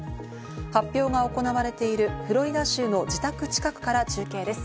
発表が行われているフロリダ州の自宅近くから中継です。